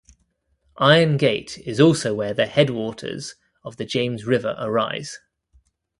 Iron Gate is also where the head waters of the James River arise.